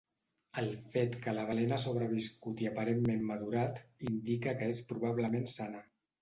El fet que la balena ha sobreviscut i aparentment madurat indica que és probablement sana.